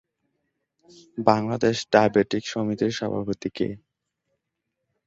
Bangladesh diabetic সমিতির সভাপতি কে?